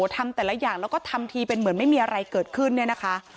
ทำแต่ละอย่างแล้วก็ทำทีเป็นเหมือนไม่มีอะไรเกิดขึ้นเนี่ยนะคะ